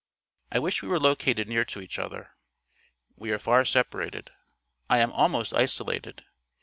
I wish we were located near to each other. We are far separated. I am almost isolated.